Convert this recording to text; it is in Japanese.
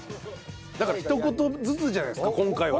だからひと言ずつじゃないですか？